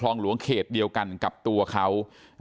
หลวงเขตเดียวกันกับตัวเขา